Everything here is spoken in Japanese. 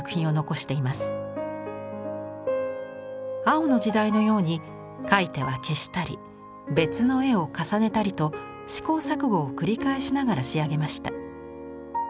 青の時代のように描いては消したり別の絵を重ねたりと試行錯誤を繰り返しながら仕上げました。